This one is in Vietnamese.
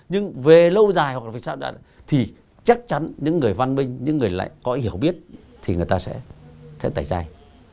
nhưng về lâu dài thì chắc chắn những người văn minh những người có hiểu biết thì người ta sẽ tẩy dài